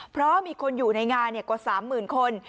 เพราะมีคนอยู่ในงานกว่า๓๐๐๐คน